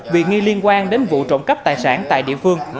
vì nghi liên quan đến vụ trộm cắp tài sản tại địa phương